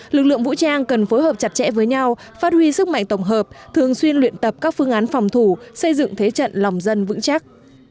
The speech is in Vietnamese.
lực lượng vũ trang cần phối hợp chặt chẽ với nhau phát huy sức mạnh tổng hợp thường xuyên luyện tập các phương án phòng thủ xây dựng thế trận lòng dân vững chắc